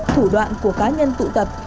thủ đoạn của cá nhân tụ tập